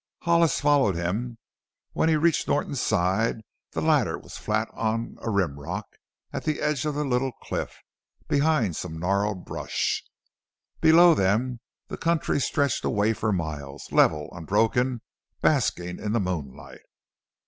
Hollis followed him. When he reached Norton's side the latter was flat on a rim rock at the edge of a little cliff, behind some gnarled brush. Below them the country stretched away for miles, level, unbroken, basking in the moonlight.